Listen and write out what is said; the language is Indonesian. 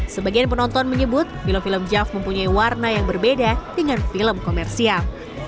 sebagian penonton menyebut film film jav mempunyai warna yang berbeda dengan film komersial